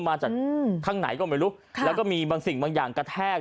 มาจากข้างไหนก็ไม่รู้แล้วก็มีบางสิ่งบางอย่างกระแทก